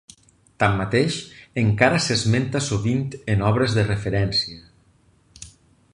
Tanmateix, encara s'esmenta sovint en obres de referència.